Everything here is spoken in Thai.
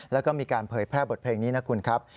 แล้วก็มีการเผยแพร่บทเพลงนี้นะคุณครับ